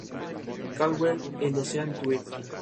Caldwell en "Ocean's Twelve".